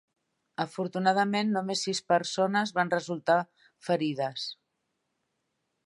Afortunadament, només sis persones van resultar ferides.